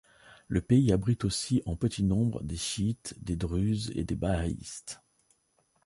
Le pays abrite aussi en petit nombre des chiites, des druzes et des bahaïstes.